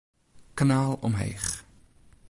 Kanaal omheech.